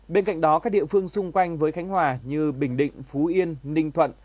bên cạnh đó các địa phương xung quanh với khánh hòa như bình định phú yên ninh thuận